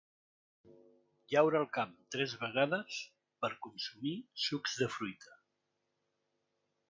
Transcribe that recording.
Llaura el camp tres vegades per consumir sucs de fruita.